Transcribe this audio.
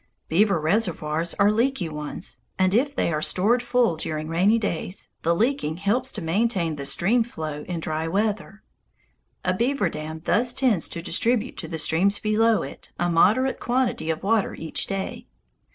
Beaver reservoirs are leaky ones, and if they are stored full during rainy days, the leaking helps to maintain the stream flow in dry weather. A beaver dam thus tends to distribute to the streams below it a moderate quantity of water each day.